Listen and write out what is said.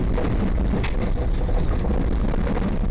เต้น